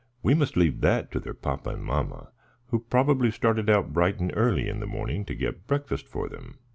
We must leave that to their papa and mamma, who probably started out bright and early in the morning to get breakfast for them."